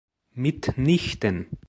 Mitnichten.